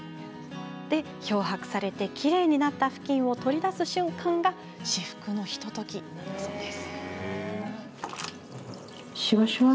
漂白され、きれいになったふきんを取り出す瞬間が至福のひとときです。